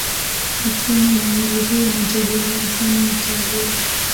Uchumi wa mji huu unategemea sana utalii.